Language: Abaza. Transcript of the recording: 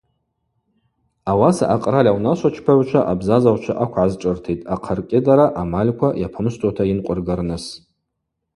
Ауаса акъраль аунашвачпагӏвчва абзазагӏвчва аквгӏазшӏыртитӏ ахъаркӏьыдара амальква йапымшвтуата йынкъвыргарныс.